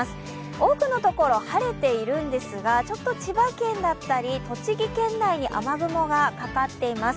多くのところ、晴れているんですが千葉県だったり栃木県内に雨雲がかかっています。